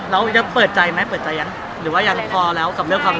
แล้วยังเปิดใจมั้ยเปิดใจยังหรือว่ายังพอแล้วกำเลี่ยวความรัก